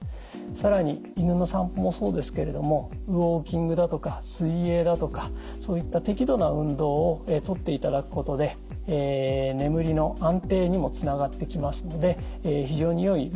更に犬の散歩もそうですけれどもウォーキングだとか水泳だとかそういった適度な運動をとっていただくことで眠りの安定にもつながってきますので非常によいルーティンだと思います。